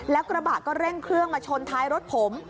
แล้วกระบะก็เร่งเครื่องมาชนท้ายรถผม